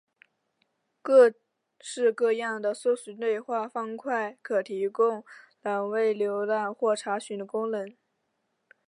各式各样的搜寻对话方块可提供栏位浏览或查询的功能。